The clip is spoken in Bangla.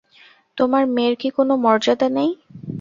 তোমার মেয়ের কি কোনো মর্যাদা নেই।